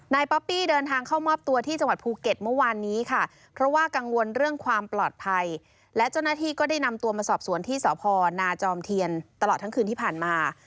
ป๊อปปี้เดินทางเข้ามอบตัวที่จังหวัดภูเก็ตเมื่อวานนี้ค่ะเพราะว่ากังวลเรื่องความปลอดภัยและเจ้าหน้าที่ก็ได้นำตัวมาสอบสวนที่สพนาจอมเทียนตลอดทั้งคืนที่ผ่านมา